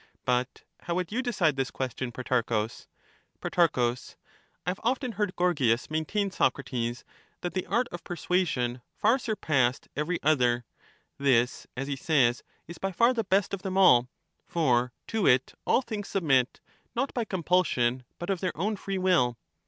But how would you decide this question, Protarchus ? Pro. I have oflen heard Gorgias maintain, Socrates, that Protarchus the art of persuasion far surpassed every other ; this, as he J^^^^^^ii says, is by far the best of them all, for to it all things submit, offend not by compulsion, but of their own free will.